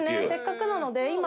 せっかくなので。